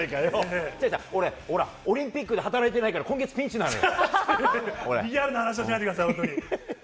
俺オリンピックで働いてないから今月ピンチなのよ。